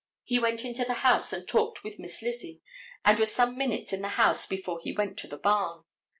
He went into the house and talked with Miss Lizzie and was some minutes in the house before he went to the barn.